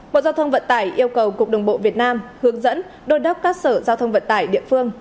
bộ giao thông vận tải yêu cầu cục đường bộ việt nam hướng dẫn đôn đốc các sở giao thông vận tải địa phương